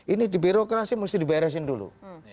ini di birokrasi mesti diberesin dulu